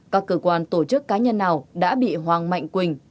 các cơ quan tổ chức cá nhân nào đã bị hoàng mạnh quỳnh